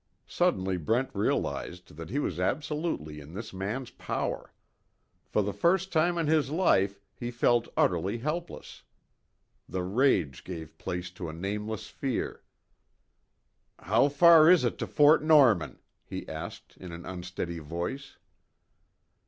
Suddenly Brent realized that he was absolutely in this man's power. For the first time in his life he felt utterly helpless. The rage gave place to a nameless fear: "How far is it to Fort Norman?" he asked, in an unsteady voice.